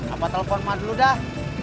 apa telepon mah dulu dah